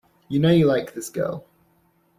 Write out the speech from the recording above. You know you like this girl.